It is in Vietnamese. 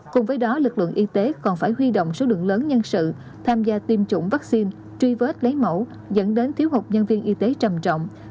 cùng với đó lực lượng y tế còn phải huy động số lượng lớn nhân sự tham gia tiêm chủng vaccine truy vết lấy mẫu dẫn đến thiếu hụt nhân viên y tế trầm trọng